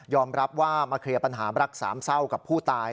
รับว่ามาเคลียร์ปัญหารักสามเศร้ากับผู้ตาย